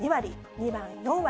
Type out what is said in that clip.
２番、４割。